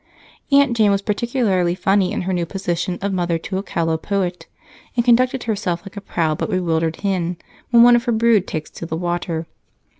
Aunt Jane was particularly funny in her new position of mother to a callow poet and conducted herself like a proud but bewildered hen when one of her brood takes to the water.